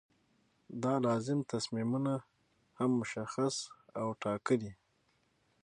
دا لازم تصمیمونه هم مشخص او ټاکي.